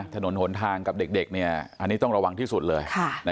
ถนนหนทางกับเด็กอันนี้ต้องระวังที่สุดเลย